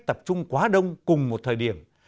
tập trung quá đông cùng một thời điểm